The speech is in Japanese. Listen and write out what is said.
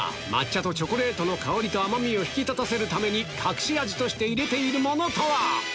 抹茶とチョコレートの香りと甘みを引き立たせるため隠し味として入れているものとは？